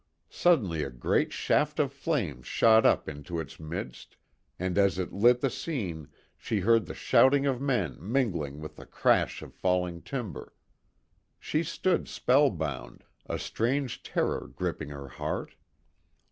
Suddenly a great shaft of flame shot up into its midst, and, as it lit the scene, she heard the shouting of men mingling with the crash of falling timber. She stood spellbound, a strange terror gripping her heart.